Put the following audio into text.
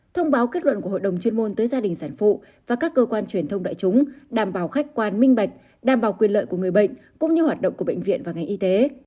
thông báo kết luận của hội đồng chuyên môn tới gia đình sản phụ và các cơ quan truyền thông đại chúng đảm bảo khách quan minh bạch đảm bảo quyền lợi của người bệnh cũng như hoạt động của bệnh viện và ngành y tế